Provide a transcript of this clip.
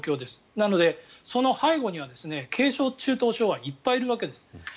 なので、その背後には軽症、中等症はいっぱいいるわけです。